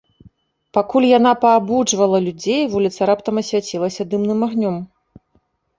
Пакуль яна паабуджвала людзей, вуліца раптам асвяцілася дымным агнём.